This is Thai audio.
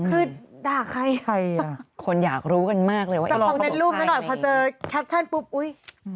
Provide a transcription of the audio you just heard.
คือด่าใครจะคอมเมนต์รูปซักหน่อยพอเจอแคปชั่นปุ๊บอุ๊ย